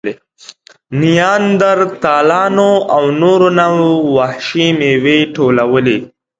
نیاندرتالانو او نورو نوعو وحشي مېوې ټولولې.